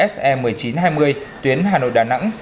se một nghìn chín trăm hai mươi tuyến hà nội đà nẵng